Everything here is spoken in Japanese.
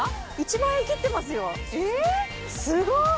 １万円切ってますよすごい！